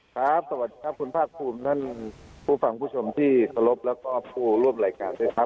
สวัสดีครับคุณภาคภูมิท่านผู้ฟังผู้ชมที่เคารพแล้วก็ผู้ร่วมรายการด้วยครับ